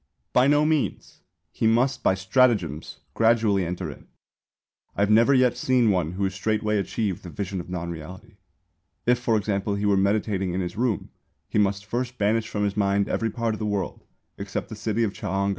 _ By no means! He must by stratagems gradually enter in. I have never yet seen one who straightway achieved the vision of non Reality. If for example he were meditating in this room he must first banish from his mind every part of the world except the city of Ch'ang an.